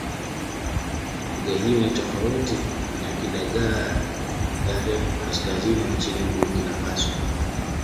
Lugha hiyo ni tofauti na Kidagaare-Kaskazini nchini Burkina Faso.